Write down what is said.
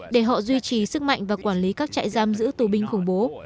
để họ duy trì sức mạnh và quản lý các trại giam giữ tù binh khủng bố